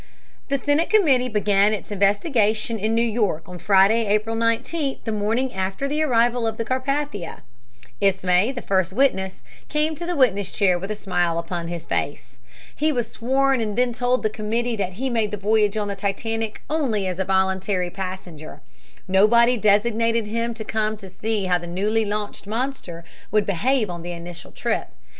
The Senate Committee began its investigation in New York on Friday, April 19th, the morning after the arrival of the Carpathia. Ismay, the first witness, came to the witness chair with a smile upon his face. He was sworn and then told the committee that he made the voyage on the Titanic only as a voluntary passenger. Nobody designated him to come to see how the newly launched monster would behave on the initial trip.